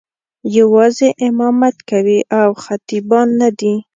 یوازې امامت کوي او خطیبان نه دي.